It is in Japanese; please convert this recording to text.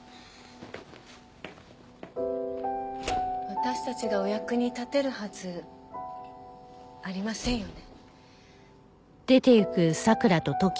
私たちがお役に立てるはずありませんよね。